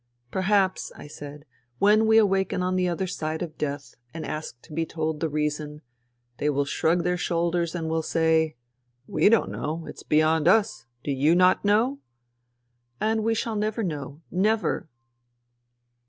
" Perhaps," I said, " when we awaken on the other side of death and ask to be told the reason, they will shrug their shoulders and will say, ' We don't know. It is beyond us. Do you not know ?'... And we shall never know. Never